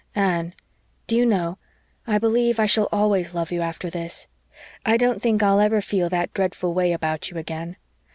"Anne, do you know, I believe I shall always love you after this. I don't think I'll ever feel that dreadful way about you again.